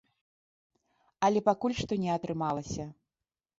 Але пакуль што не атрымалася.